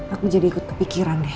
aku jadi ikut kepikiran deh